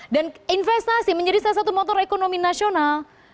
dan investasi menjadi salah satu motor ekonomi nasional